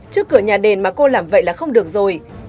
trước cửa nhà đền mà cô làm vậy là không được rồi